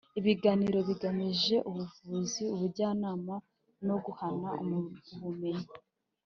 Ibiganiro bigamije ubuvugizi ubujyanama no guhana ubumenyi